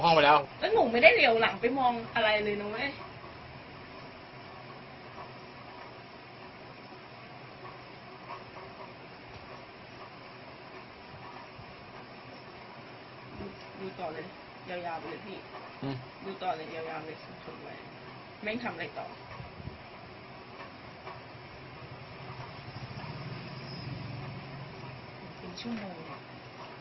ดูต่อเลยยาวเลยพี่ดูต่อเลยยาวเลยไม่ได้ทำอะไรต่อ